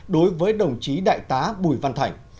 đối với đồng chí đại tá bùi văn thành